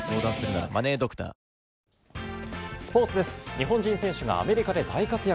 日本人選手がアメリカで大活躍。